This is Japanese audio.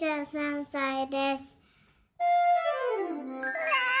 うわ！